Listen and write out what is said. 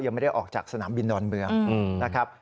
ไม่ได้ออกจากสนามบินดอนเมืองนะครับ